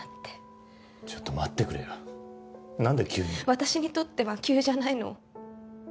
私にとっては急じゃないの。